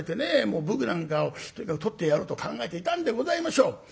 武具なんかをとにかくとってやろうと考えていたんでございましょう。